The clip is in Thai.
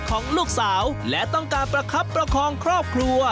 ของลูกสาวและต้องการประคับประคองครอบครัว